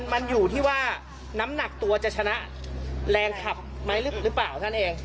มันอยู่ที่ว่าน้ำหนักตัวจะชนะแรงขับไหมหรือเปล่าท่านเอง